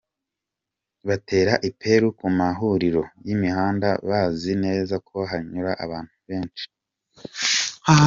Batera iperu ku mahuriro y’imihanda bazi neza ko hanyura abantu benshi.